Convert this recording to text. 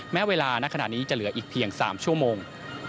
แม้เวลาณขณะนี้จะเหลืออีกเพียง๓ชั่วโมง